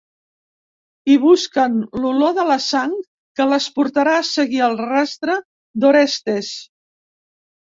I busquen l'olor de la sang que les portarà a seguir el rastre d'Orestes.